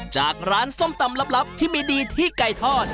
จากร้านส้มตำลับที่มีดีที่ไก่ทอด